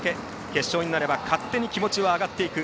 決勝になれば勝手に気持ちは上がっていく。